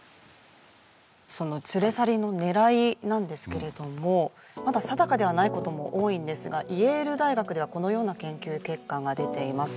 その連れ去りの狙いなんですけれどもまだ定かではないことも多いんですがイエール大学ではこのような研究結果が出ています